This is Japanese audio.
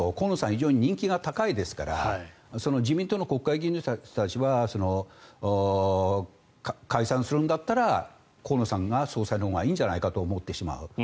非常に人気が高いですから自民党の国会議員の人たちは解散するんだったら河野さんが総裁のほうがいいんじゃないかと思ってしまう。